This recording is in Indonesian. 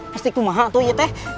pasti kumaha itu ya teh